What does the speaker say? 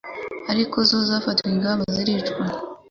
ariko zo zafatiwe ingamba ziricwa